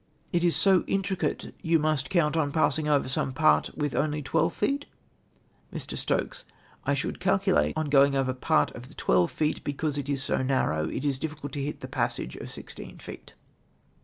—" It is so intricate, you must count on passing over some part with onl}^ twelve feetV Mr. Stokes. —" I should calculate on going over part of the twelve feet, because it is so narroiv, it is difficidt to kit the passage of sixteen feet.